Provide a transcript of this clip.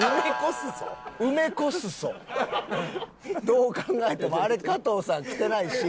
どう考えてもあれ加藤さん着てないし。